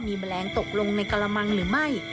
มีแมลงตกลงในกระมังหรือไม่